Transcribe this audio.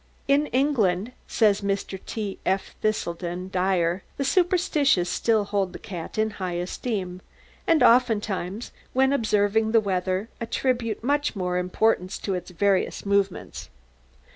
"In England," says Mr. T. F. Thiselton Dyer, "the superstitious still hold the cat in high esteem, and oftentimes, when observing the weather, attribute much importance to its various movements.